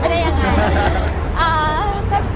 เป็นยังไง